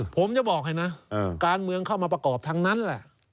ผมจะบอกให้นะการเมืองเข้ามาประกอบทั้งนั้นแหละ